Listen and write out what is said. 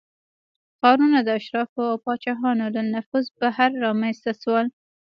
ښارونه د اشرافو او پاچاهانو له نفوذ بهر رامنځته شول